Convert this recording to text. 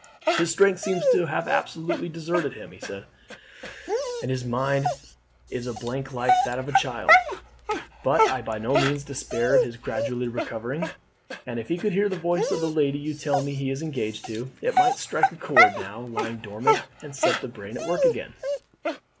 "His strength seems to have absolutely deserted him," he said, "and his mind is a blank like that of a little child, but I by no means despair of his gradually recovering; and if he could hear the voice of the lady you tell me he is engaged to, it might strike a chord now lying dormant and set the brain at work again."